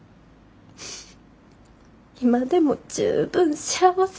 今でも十分幸せやで。